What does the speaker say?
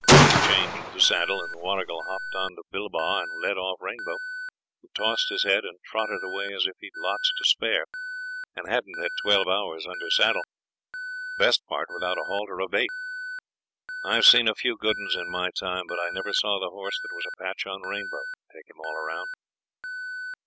He changed the saddle, and Warrigal hopped on to Bilbah, and led off Rainbow, who tossed his head, and trotted away as if he'd lots to spare, and hadn't had twelve hours under saddle; best part without a halt or a bait. I've seen a few good 'uns in my time, but I never saw the horse that was a patch on Rainbow, take him all round.